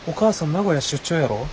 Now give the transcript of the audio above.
名古屋出張やろ？